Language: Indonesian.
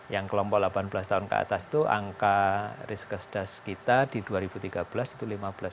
yang kelompok delapan belas tahun ke atas itu angka risk kesedas kita di dua ribu tiga belas itu lima belas tiga puluh